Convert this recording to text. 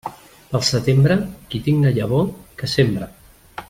Pel setembre, qui tinga llavor, que sembre.